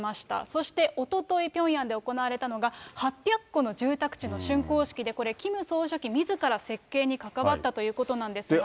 そしておととい、ピョンヤンで行われたのが、８００戸の住宅地のしゅんこう式で、これ、キム総書記みずから設計に関わったということなんですが。